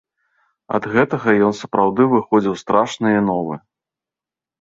Ад гэтага ён сапраўды выходзіў страшны і новы.